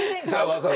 分かる。